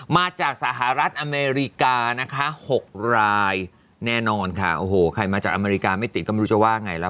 มาจากสหรัฐอเมริกานะคะ๖รายแน่นอนค่ะโอ้โหใครมาจากอเมริกาไม่ติดก็ไม่รู้จะว่าไงแล้ว